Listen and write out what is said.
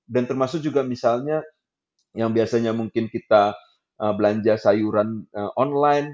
dan termasuk juga misalnya yang biasanya mungkin kita belanja sayuran online